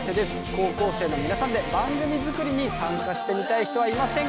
高校生の皆さんで番組作りに参加してみたい人はいませんか？